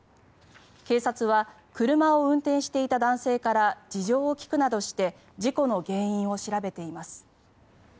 警察は車を運転していた男性から事情を聴くなどして事故の原因を調べています。